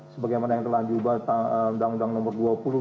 sebagaimana yang telah diubah undang undang nomor dua puluh dua